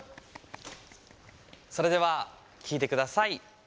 それでは聴いてください。